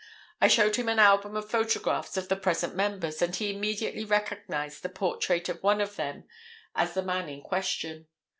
I showed him an album of photographs of the present members, and he immediately recognized the portrait of one of them as the man in question.